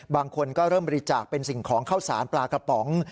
บางคนก็เริ่มบริจาคเป็นสิ่งของเข้าสารปลากระป๋อง